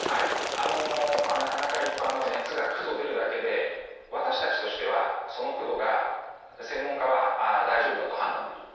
なかなか一般の熱が３９度出るだけで私たちとしてはその３９度が専門家は大丈夫だと判断できる。